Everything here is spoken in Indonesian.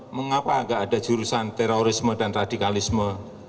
mengapa nggak ada jurusan terorisme dan radikalisme